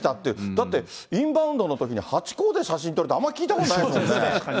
だってインバウンドのときに、ハチ公で写真撮るって、あまり聞いたことないですもんね。